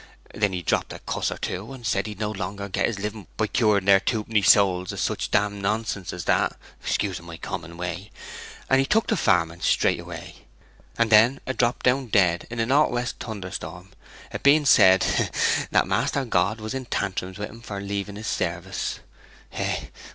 Then he dropped a cuss or two, and said he'd no longer get his living by curing their twopenny souls o' such d nonsense as that (excusing my common way), and he took to farming straightway, and then 'a dropped down dead in a nor' west thunderstorm; it being said hee hee! that Master God was in tantrums wi'en for leaving his service, hee hee!